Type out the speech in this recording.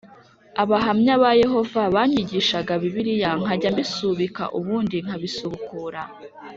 Abahamya ba Yehova banyigishaga Bibiliya nkajya mbisubika ubundi nkabisubukura